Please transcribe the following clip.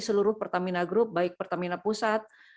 seluruh pertamina group baik pertamina pusat